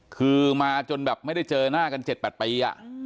คือมาจนแบบไม่ได้เจอหน้ากัน๗๘ปี